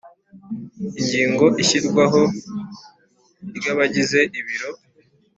Ingingo ishyirwaho ry abagize ibiro